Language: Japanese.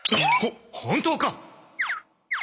ほ本当か！？